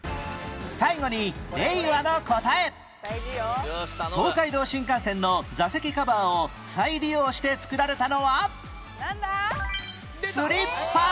最後に東海道新幹線の座席カバーを再利用して作られたのはなんだ？